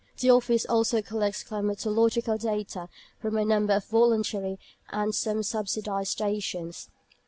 The Office also collects climatological data from a number of voluntary and some subsidised stations.